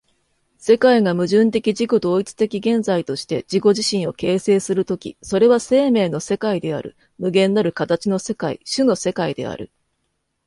世界が矛盾的自己同一的現在として自己自身を形成する時、それは生命の世界である、無限なる形の世界、種の世界である。